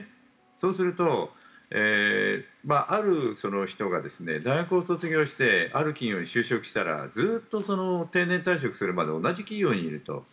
そうするとある人が大学を卒業してある企業に就職したらずっと定年退職するまで同じ企業にいると。